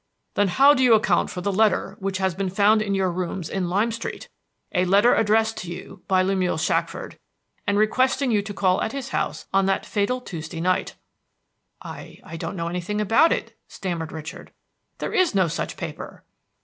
"Then how do you account for the letter which has been found in your rooms in Lime Street, a letter addressed to you by Lemuel Shackford, and requesting you to call at his house on that fatal Tuesday night?" "I I know nothing about it," stammered Richard. "There is no such paper!"